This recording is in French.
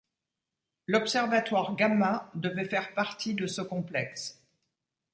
L'observatoire Gamma devait faire partie de ce complexe.